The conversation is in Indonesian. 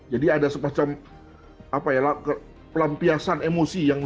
jadi ada semacam pelampiasan emosi yang luas